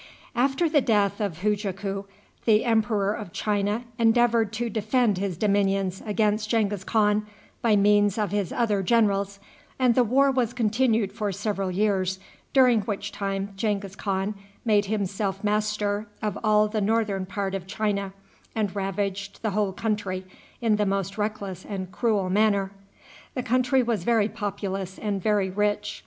After the death of Hujaku, the Emperor of China endeavored to defend his dominions against Genghis Khan by means of his other generals, and the war was continued for several years, during which time Genghis Khan made himself master of all the northern part of China, and ravaged the whole country in the most reckless and cruel manner. The country was very populous and very rich.